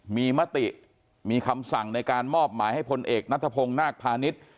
มีมติมีคำสั่งในการมอบหมายให้พลเอกนัทพงศ์นาคพาณิชย์